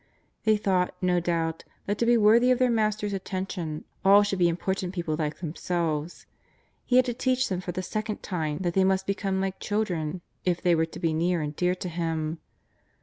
They thought, no doubt, that to be worthy of their Master^s attention, all should be important people like them selves. He had to teach them for the second time that they must become like children if they were to be near and dear to Him.